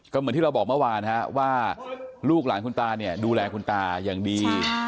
ก็เหมือนที่เราบอกเมื่อวานว่าลูกหลานคุณตาเนี่ยดูแลคุณตาอย่างดี